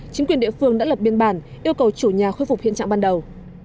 chính quyền địa phương đã lập biên bản yêu cầu chủ nhà khôi phục hiện trạng ban đầu